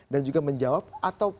dan juga menjawab atau